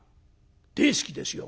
「大好きですよ」。